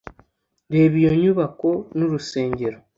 Reba iyo nyubako Ni urusengero